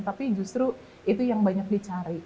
tapi justru itu yang banyak dicari